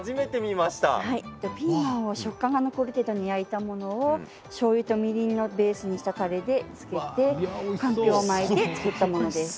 ピーマンを食感が残る程度に焼いたものをしょうゆとみりんをベースにしたたれでつけてかんぴょうを巻いて作ったものです。